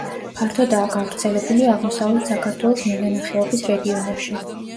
ფართოდაა გავრცელებული აღმოსავლეთ საქართველოს მევენახეობის რეგიონებში.